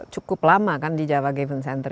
cukup lama kan di java given center